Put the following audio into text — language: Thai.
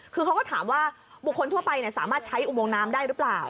คือเขาก็ถามว่าบุคคลทั่วไปสามารถใช้อุโมงน้ำได้หรือเปล่า